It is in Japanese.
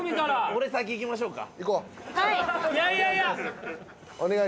「俺先いきましょうか？」